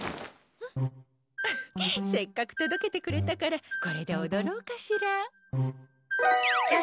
せっかく届けてくれたからこれで踊ろうかしら。